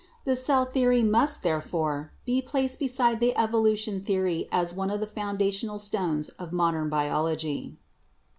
The cell theory must, therefore, 60 BIOLOGY be placed beside the evolution theory as one of the foun dation stones of modern biology."